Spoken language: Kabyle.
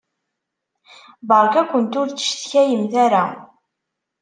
Beṛka-kent ur ttcetkayemt ara!